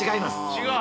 違う？